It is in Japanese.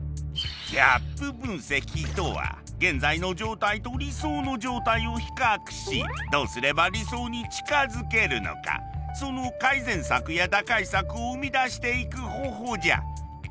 ギャップ分析とは現在の状態と理想の状態を比較しどうすれば理想に近づけるのかその改善策や打開策を生み出していく方法じゃ。